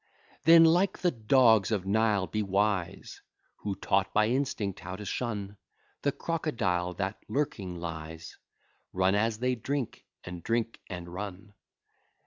Then, like the dogs of Nile, be wise, Who, taught by instinct how to shun The crocodile, that lurking lies, Run as they drink, and drink and run.